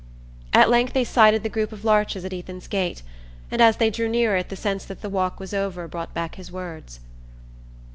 At length they sighted the group of larches at Ethan's gate, and as they drew near it the sense that the walk was over brought back his words.